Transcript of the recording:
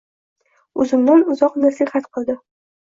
Uzundan uzoq nasihat qildi